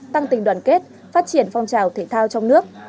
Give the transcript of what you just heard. tăng tình đoàn kết phát triển phong trào thể thao trong nước